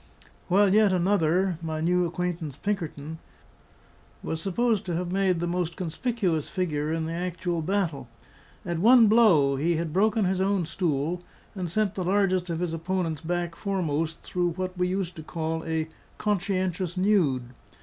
While yet another (my new acquaintance, Pinkerton) was supposed to have made the most conspicuous figure in the actual battle. At one blow, he had broken his own stool, and sent the largest of his opponents back foremost through what we used to call a "conscientious nude."